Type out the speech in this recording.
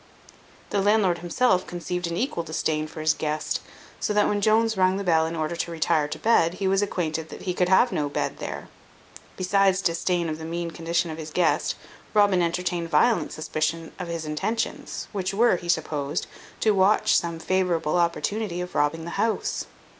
The landlord himself conceived an equal disdain for his guest; so that when Jones rung the bell in order to retire to bed, he was acquainted that he could have no bed there. Besides disdain of the mean condition of his guest, Robin entertained violent suspicion of his intentions, which were, he supposed, to watch some favourable opportunity of robbing the house.